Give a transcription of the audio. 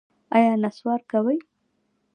ایا نسوار کوئ؟